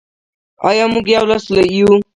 آیا موږ یو لاس یو؟